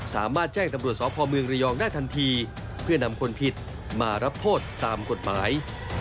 สามารถแจ้งตำรวจสพเมืองระยองได้ทันทีเพื่อนำคนผิดมารับโทษตามกฎหมาย